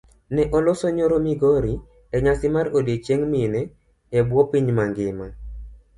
Ne oloso nyoro migori enyasi mar odiochieng' mine ebuo piny mangima.